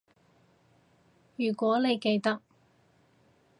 如果你記得